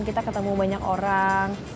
kita ketemu banyak orang